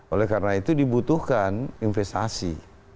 oleh karena itu dibutuhkan investasi